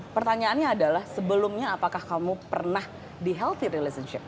pertanyaannya adalah sebelumnya apakah kamu pernah di healthy relationship